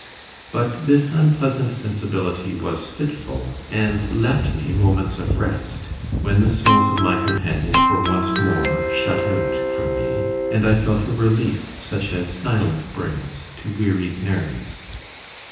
But this unpleasant sensibility was fitful, and left me moments of rest, when the souls of my companions were once more shut out from me, and I felt a relief such as silence brings to wearied nerves.